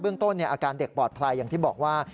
เรื่องต้นอาการเด็กปลอดภัยอย่างที่บอกว่า